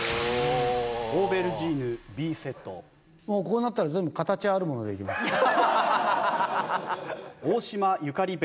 もうこうなったら全部形あるものでいきます。